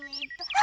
あ！